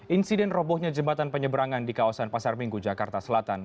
insiden robohnya jembatan penyeberangan di kawasan pasar minggu jakarta selatan